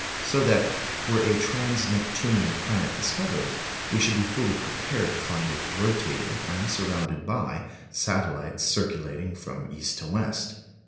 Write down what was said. So that, were a trans Neptunian planet discovered, we should be fully prepared to find it rotating, and surrounded by satellites circulating from east to west.